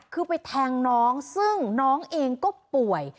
คือไปแทงน้องซึ่งน้องเองก็ป่วย